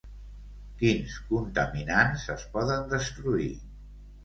Quins contaminants es poden destruir?